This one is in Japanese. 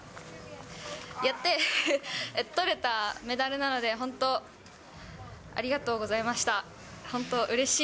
やって、とれたメダルなので、本当、ありがとうございました。